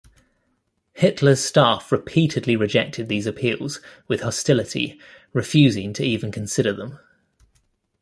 Hitler's staff repeatedly rejected these appeals with hostility, refusing to even consider them.